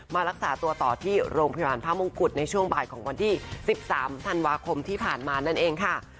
รักษาตัวต่อที่โรงพยาบาลพระมงกุฎในช่วงบ่ายของวันที่๑๓ธันวาคมที่ผ่านมานั่นเองค่ะ